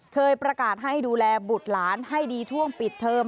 เคยประกาศให้ดูแลบุตรหลานให้ดีช่วงปิดเทอม